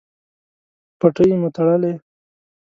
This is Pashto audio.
پټۍ مو تړلی؟